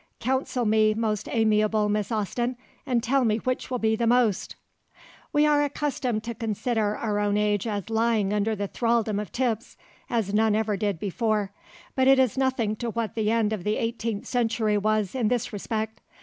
Counsel me, most amiable Miss Austen, and tell me which will be the most." We are accustomed to consider our own age as lying under the thraldom of tips, as none ever did before, but it is nothing to what the end of the eighteenth century was in this respect.